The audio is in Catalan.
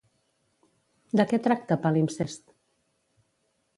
De què tracta Palimpsest?